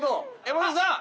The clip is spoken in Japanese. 山添さん。